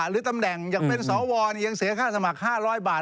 หรือตำแหน่งอยากเป็นสวยังเสียค่าสมัคร๕๐๐บาท